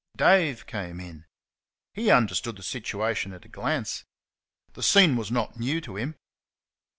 Dave came in. He understood the situation at a glance. The scene was not new to him.